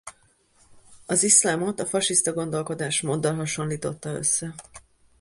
Az iszlámot a fasiszta gondolkodásmóddal hasonlította össze.